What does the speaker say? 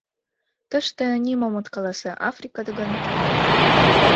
Тыште, нимом от каласе, Африка гын Африка.